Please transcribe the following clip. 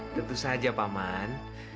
tentu saja paman